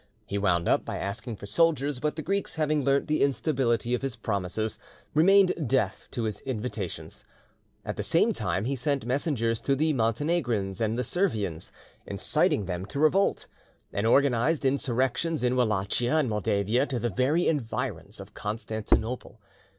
He wound up by asking for soldiers, but the Greeks having learnt the instability of his promises, remained deaf to his invitations. At the same time he sent messengers to the Montenegrins and the Servians, inciting them to revolt, and organised insurrections in Wallachia and Moldavia to the very environs of Constantinople.